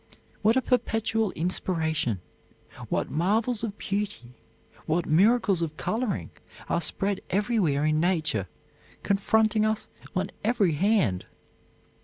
What a perpetual inspiration, what marvels of beauty, what miracles of coloring are spread everywhere in nature, confronting us on every hand!